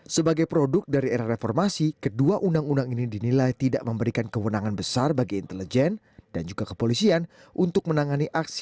sebagai produk dari era reformasi kedua undang undang ini dinilai tidak memberikan kewenangan besar bagi intelijen dan juga kepolisian untuk menangani aksi